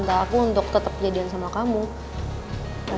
terus mesennya gampang lagi